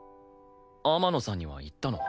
天野さんには言ったの？